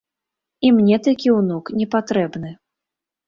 І мне такі ўнук не патрэбны.